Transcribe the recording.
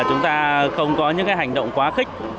chúng ta không có những hành động quá khích